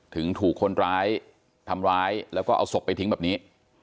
ถึงถูกคนร้ายทำร้ายแล้วก็เอาศพไปทิ้งแบบนี้